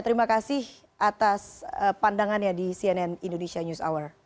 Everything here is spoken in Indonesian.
terima kasih atas pandangannya di cnn indonesia news hour